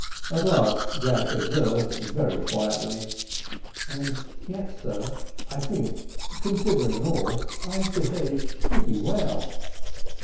At last Jack observed, very quietly: "And yet, sir, I think, considering all, I have behaved pretty well."